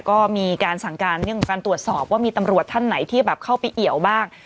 ก็มีการสั่งการยังตรวจสอบว่ามีตำรวจท่านไหนที่แบบเข้าไปเอ๋วบ้าง